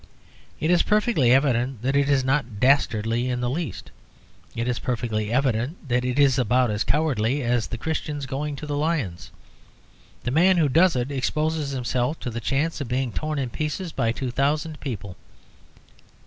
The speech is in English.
It is perfectly evident that it is not dastardly in the least. It is perfectly evident that it is about as cowardly as the Christians going to the lions. The man who does it exposes himself to the chance of being torn in pieces by two thousand people.